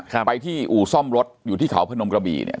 ครับไปที่อู่ซ่อมรถอยู่ที่เขาเพื่อนนมกระบีเนี่ย